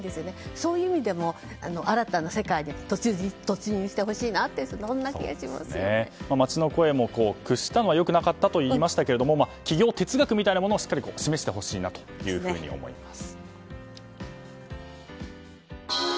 そういう意味でも街の声も屈したのが良くなかったといいましたけど企業哲学みたいなものをしっかり示してほしいなと思います。